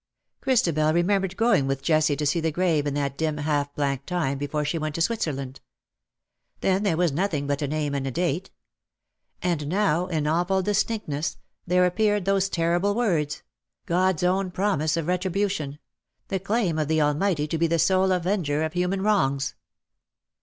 Christabel remembered going with Jessie to see the 273 grave in that dim half blank time before she went to Switzerland. Then there was nothing but a name and a date. And now^ in awful distinctness, there appeared those terrible words — God's own promise of retribution— the claim of the Almighty to be the sole avenger of human wrongs.